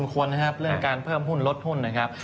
คนนะครับเรื่องการเพิ่มหุ้นลดหุ้นนะครับ